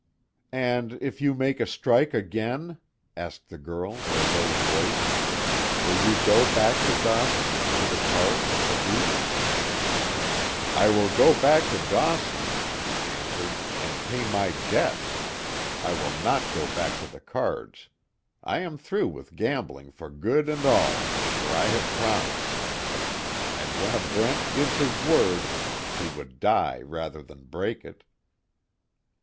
"And, if you make a strike again," asked the girl in a low voice, "Will you go back to Dawson to the cards and the hooch?" "I will go back to Dawson," he answered, "And pay my debts. I will not go back to the cards. I am through with gambling for good and all, for I have promised. And when a Brent gives his word, he would die rather than break it."